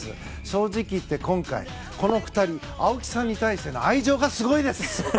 正直言って今回この２人、青木さんに対しての愛情がすごいです！